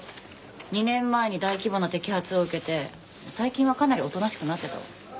２年前に大規模な摘発を受けて最近はかなりおとなしくなってたわ。